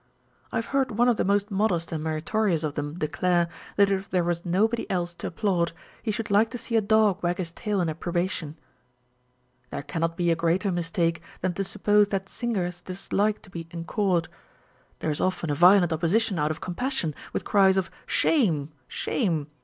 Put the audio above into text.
I have heard one of the most modest and meritorious of them declare, that if there wras nobody else to applaud, he should like to see a dog wag his tail in approbation. There cannot be a greater mistake than to suppose that singers dislike to be encored. There is often a violent opposition out of compassion, with cries of " Shame, shame